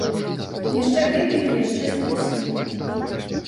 Яшчэ выпілі і яшчэ закусілі.